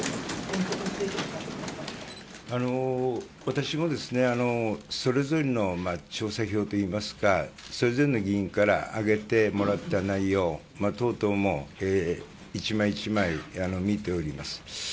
私も、それぞれの調査票といいますかそれぞれの議員から上げてもらった内容等々も１枚１枚見ております。